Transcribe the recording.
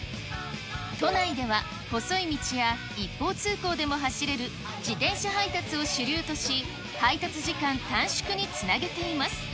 都内では細い道や一方通行でも走れる自転車配達を主流とし、配達時間短縮につなげています。